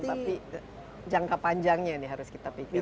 tapi jangka panjangnya ini harus kita pikirkan